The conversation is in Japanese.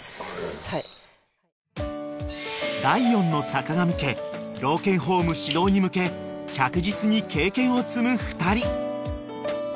［第４の坂上家老犬ホーム始動に向け着実に経験を積む２人］